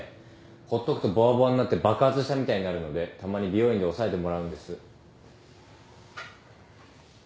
ほっとくとぼわぼわになって爆発したみたいになるのでたまに美容院で抑えてもらうんです。